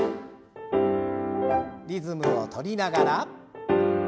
リズムを取りながら。